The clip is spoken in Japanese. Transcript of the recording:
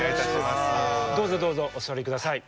どうぞどうぞお座りください。